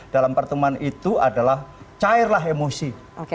dalam pertemuan itu adalah cairlah emosi